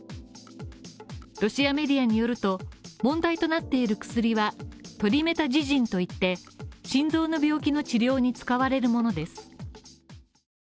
ロシアメディアによると、問題となっている薬はトリメタジジンといって心臓の病気の治療に使われるものです。